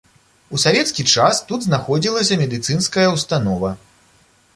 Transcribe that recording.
У савецкі час тут знаходзілася медыцынская ўстанова.